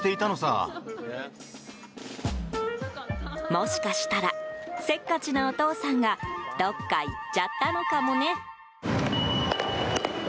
もしかしたらせっかちなお父さんがどっか行っちゃったのかもね。